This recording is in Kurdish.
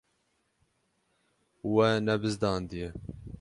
We nebizdandiye.